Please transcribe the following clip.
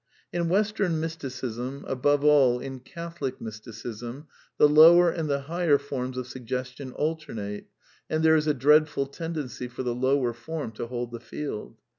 In Western Mysticism, above all, in Catholic Mysticism, the lower and the higher forms of suggestion alternate, and there is a dreadful tendency for the lower form to hold ^ the field.